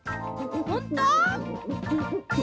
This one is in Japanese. ほんと？